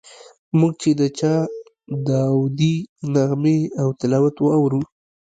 موږ چې د چا داودي نغمې او تلاوت واورو.